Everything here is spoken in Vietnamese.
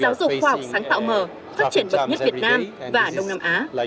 giáo dục khoa học sáng tạo mở phát triển bậc nhất việt nam và đông nam á